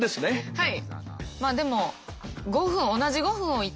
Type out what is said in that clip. はい。